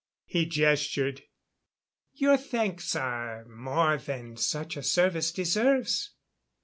He gestured. "Your thanks are more than such a service deserves."